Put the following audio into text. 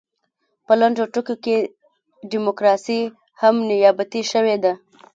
په لنډو ټکو کې ډیموکراسي هم نیابتي شوې ده.